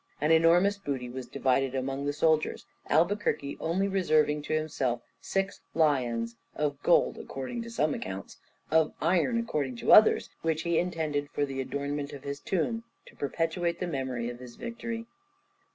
An enormous booty was divided amongst the soldiers, Albuquerque only reserving to himself six lions, of gold according to some accounts, of iron according to others, which he intended for the adornment of his tomb, to perpetuate the memory of his victory.